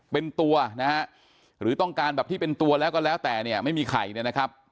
เป็นตัวนะฮะหรือต้องการแบบที่เป็นตัวแล้วก็แล้วแต่เนี่ยไม่มีไข่เนี่ยนะครับ